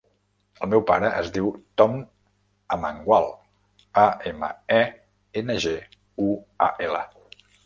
El meu pare es diu Tom Amengual: a, ema, e, ena, ge, u, a, ela.